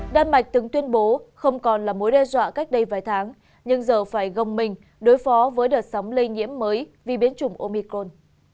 đan mạch từng tuyên bố không còn là mối đe dọa cách đây vài tháng nhưng giờ phải gồng mình đối phó với đợt sóng lây nhiễm mới vì biến chủng omicol